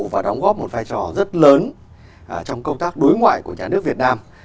và đóng góp một vai trò rất lớn trong công tác đối ngoại của nhà nước việt nam